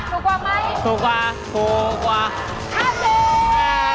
หมดแล้วตัวช่วย